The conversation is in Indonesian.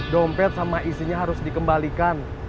dompet sama isinya harus dikembalikan